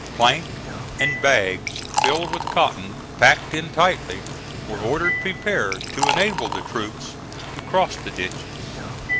Plank, and bags filled with cotton packed in tightly, were ordered prepared, to enable the troops to cross the ditches.